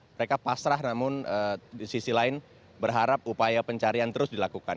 mereka pasrah namun di sisi lain berharap upaya pencarian terus dilakukan